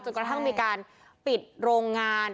กระทั่งมีการปิดโรงงาน